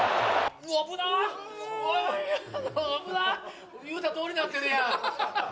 うわっ、言うたとおりになってるやん。